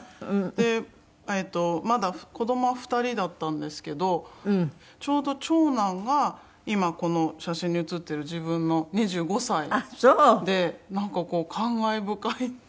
でまだ子どもは２人だったんですけどちょうど長男が今この写真に写ってる自分の２５歳でなんか感慨深いですね。